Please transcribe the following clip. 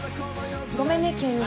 ごめんね急に。